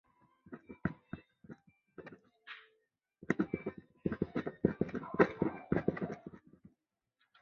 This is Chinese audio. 检察机关的自觉就体现在‘不用扬鞭自奋蹄’